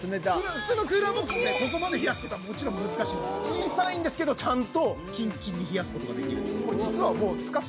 普通のクーラーボックスでここまで冷やすことはもちろん難しいんです小さいんですけどちゃんとキンキンに冷やすことができる。